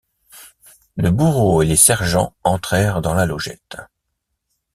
Le bourreau et les sergents entrèrent dans la logette.